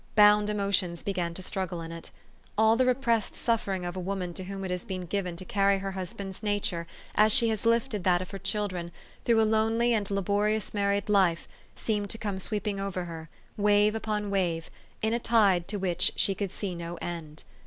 Bound emo tions began to struggle in it. All the repressed suffering of a woman to whom it has been given to carry her husband's nature, as she has lifted that of her children, through a lonely and laborious married life, seemed to come sweeping over her, wave upon wave, in a tide to which she could see no end.